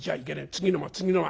次の間次の間。